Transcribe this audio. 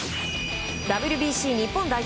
ＷＢＣ日本代表